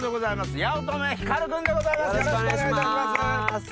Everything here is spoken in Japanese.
よろしくお願いします。